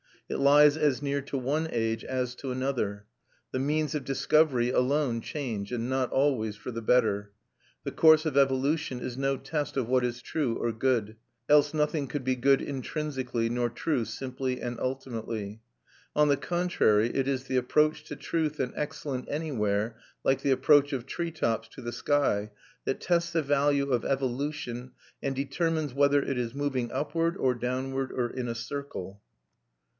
It lies as near to one age as to another; the means of discovery alone change, and not always for the better. The course of evolution is no test of what is true or good; else nothing could be good intrinsically nor true simply and ultimately; on the contrary, it is the approach to truth and excellence anywhere, like the approach of tree tops to the sky, that tests the value of evolution, and determines whether it is moving upward or downward or in a circle.